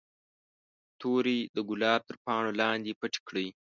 تورې د ګلابو تر پاڼو لاندې پټې کړئ.